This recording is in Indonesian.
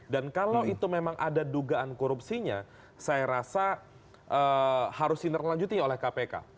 dan kalau itu memang ada dugaan korupsinya saya rasa harus diterlanjutin oleh kpk